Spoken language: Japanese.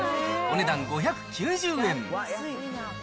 お値段５９０円。